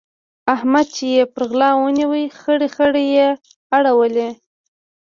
احمد چې يې پر غلا ونيو؛ خړې خړې يې اړولې.